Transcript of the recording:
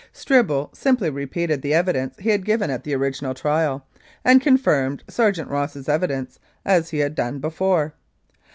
Stribble simply repeated the evidence he had given at the original trial, and confirmed Sergeant Ross's evidence as he had done before.